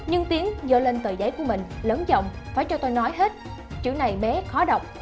nhưng tiếng dợ lên tờ giấy của mình lớn giọng phải cho tôi nói hết chữ này bé khó đọc